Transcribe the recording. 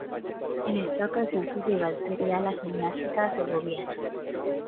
En esta ocasión su rival sería la Gimnástica Segoviana.